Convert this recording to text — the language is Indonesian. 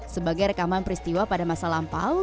sebagai rekaman peristiwa pada masa lampau